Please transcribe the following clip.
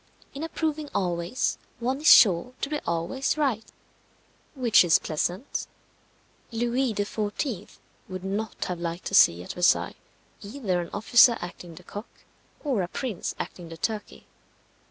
In approving always, one is sure to be always right which is pleasant. Louis XIV. would not have liked to see at Versailles either an officer acting the cock, or a prince acting the turkey.